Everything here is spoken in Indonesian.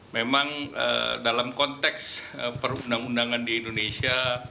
memang dalam konteks perundang undangan di indonesia